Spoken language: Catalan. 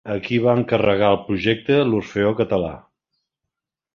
A qui va encarregar el projecte l'Orfeó Català?